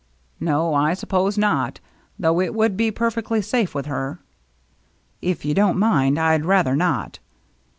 " No, I suppose not. Though it would be perfectly safe with her." " If you don't mind, I'd rather not."